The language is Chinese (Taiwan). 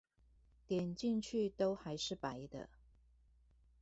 點進去都還是白的